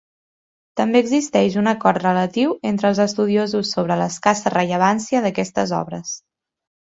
També existeix un acord relatiu entre els estudiosos sobre l'escassa rellevància d'aquestes obres.